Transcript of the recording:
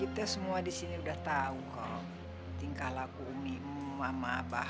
kita semua di sini udah tau kok tingkah lagu umi mama abah